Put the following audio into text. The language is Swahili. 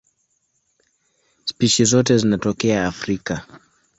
Spishi zote zinatokea Afrika.